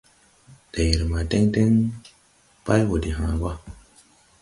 Deere ma dɛŋ dɛŋ bay wo de haa wa.